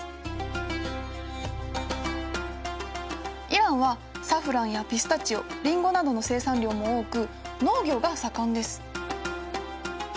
イランはサフランやピスタチオリンゴなどの生産量も多く農業が盛んです。